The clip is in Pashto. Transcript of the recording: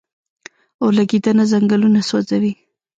اورلګیدنه ځنګلونه سوځوي